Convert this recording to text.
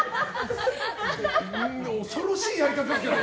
恐ろしいやり方ですね。